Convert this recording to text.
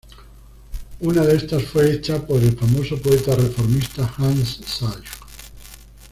Una de estas fue echa por el famoso poeta reformista Hans Sachs.